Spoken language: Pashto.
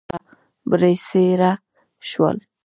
مهم بنسټي توپیرونه د طاعون وروسته را برسېره شول.